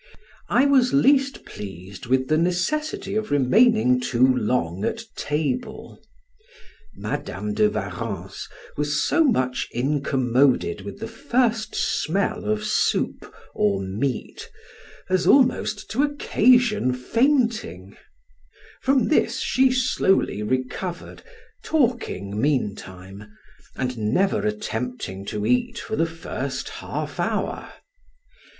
I was least pleased with the necessity of remaining too long at table. Madam de Warrens was so much incommoded with the first smell of soup or meat, as almost to occasion fainting; from this she slowly recovered, talking meantime, and never attempting to eat for the first half hour.